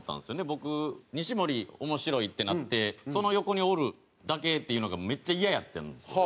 僕西森面白いってなってその横におるだけっていうのがめっちゃイヤやったんですよ。